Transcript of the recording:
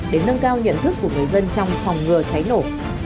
để nâng cao nhận thức của người dân trong phòng ngừa cháy nổ